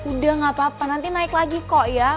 udah gapapa nanti naik lagi kok ya